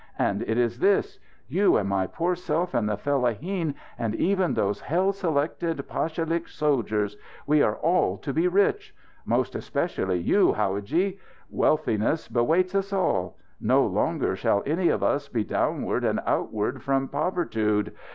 And it is this: You and my poor self and the fellaheen and even those hell selected pashalik soldiers we are all to be rich. Most especially you, howadji. Wealthiness bewaits us all. No longer shall any of us be downward and outward from povertude.